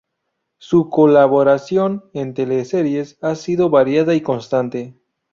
Su colaboración en teleseries ha sido variada y constante.